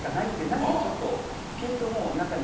何かちょっとピンともう中に。